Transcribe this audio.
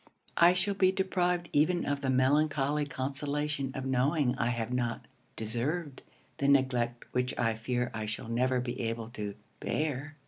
I shall be deprived even of the melancholy consolation of knowing I have not deserved the neglect which I fear I shall never be able to bear.